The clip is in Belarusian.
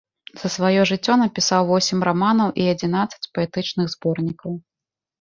За сваё жыццё напісаў восем раманаў і адзінаццаць паэтычных зборнікаў.